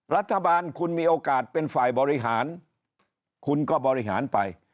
รัฐบาลคุณมีโอกาสเป็นฝ่ายบริหารคุณก็บริหารไป